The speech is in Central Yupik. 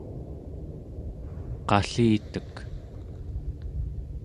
qallitek